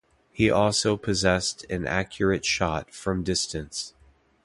He also possessed an accurate shot from distance.